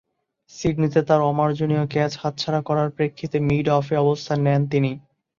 সিডনিতে তার অমার্জনীয় ক্যাচ হাতছাড়া করার প্রেক্ষিতে মিড-অফে অবস্থান নেন তিনি।